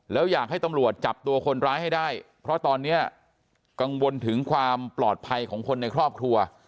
แล้วอยากให้ตำรวจจับตัวคนร้ายให้ได้เพราะตอนนี้กังวลถึงความปลอดภัยของคนในครอบครัว